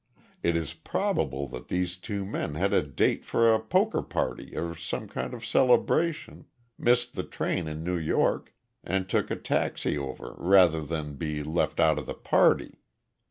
It is probable that these two men had a date for a poker party or some kind of celebration, missed the train in New York, and took a taxi over rather than be left out of the party.